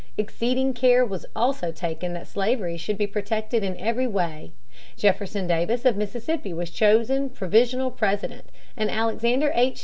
Exceeding care was also taken that slavery should be protected in every way. Jefferson Davis of Mississippi was chosen provisional president, and Alexander H.